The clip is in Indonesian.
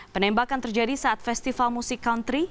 penembakan terjadi saat festival musik country